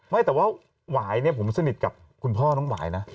ไม่แต่ว่าหวายเนี่ยผมสนิทกับคุณพ่อน้องหวายนะ